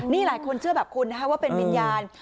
นี่หลายคนเชื่อแบบคุณนะคะว่าเป็นวิญญาณ